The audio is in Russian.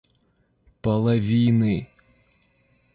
половины